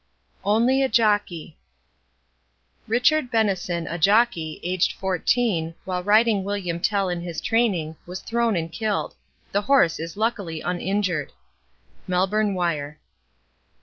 Only a Jockey 'Richard Bennison, a jockey, aged 14, while riding William Tell in his training, was thrown and killed. The horse is luckily uninjured.' Melbourne Wire.